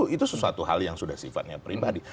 itu sesuatu hal yang sudah sifatnya pribadi